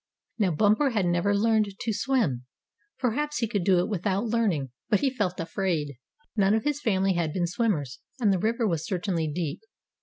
Now Bumper had never learned to swim. Perhaps he could do it without learning, but he felt afraid. None of his family had been swimmers, and the river was certainly deep.